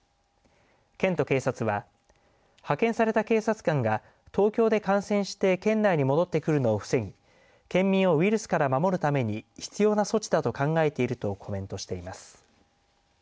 県と警察は、派遣された警察官が東京で感染して県内に戻ってくるのを防ぎ県民をウイルスから守るために必要な措置だと考えているとコメントしています。